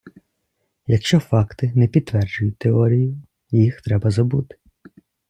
Якщо факти не підтверджують теорію, їх треба забути.